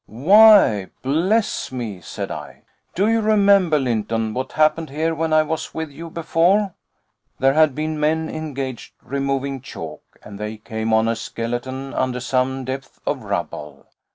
"Why bless me!" said I. "Do you remember, Lynton, what happened here when I was with you before? There had been men engaged removing chalk, and they came on a skeleton under some depth of rubble.